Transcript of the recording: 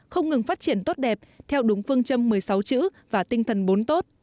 không ngừng phát triển tốt đẹp theo đúng phương châm một mươi sáu chữ và tinh thần bốn tốt